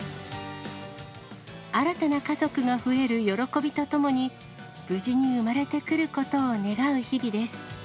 新たな家族が増える喜びと共に、無事に生まれてくることを願う日々です。